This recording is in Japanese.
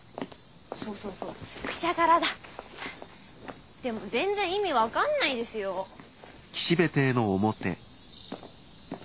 そうそうそう「くしゃがら」だ。でも全然意味分かんないですよー。